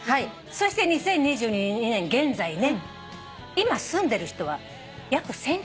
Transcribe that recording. そして２０２２年現在ね今住んでる人は約１，９００人。